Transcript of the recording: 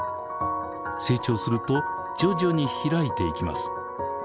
成長すると徐々に開いていきます。